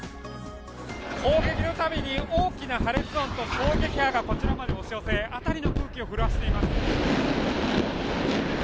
砲撃のたびに大きな破裂音と衝撃波がこちらまで押し寄せ辺りの空気を震わせています。